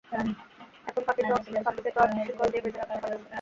এখন পাখিকে তো আর শিকল দিয়ে বেঁধে রাখতে পারবো না।